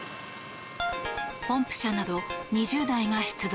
ポンプ車など２０台が出動。